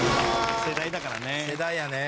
世代だからね。